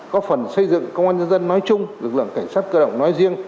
có phần xây dựng công an nhân dân nói chung lực lượng cảnh sát cơ động nói riêng